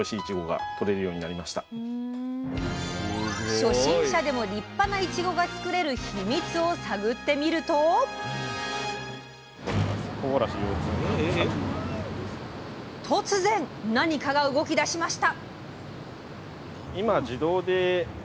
初心者でも立派ないちごが作れるヒミツを探ってみると突然何かが動きだしました！